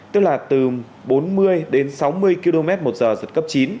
tức là từ bốn mươi đến sáu mươi km một giờ giật cấp chín